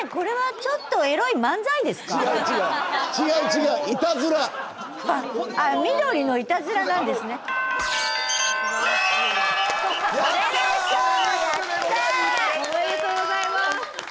やった！おめでとうございます。